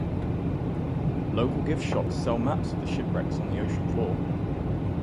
Local gift shops sell maps of the shipwrecks on the ocean floor.